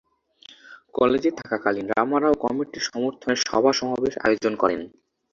কলেজে থাকাকালীন রামা রাও কমিটির সমর্থনে সভা-সমাবেশ আয়োজন করেন।